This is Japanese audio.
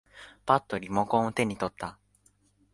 ぱっとリモコンを手に取った。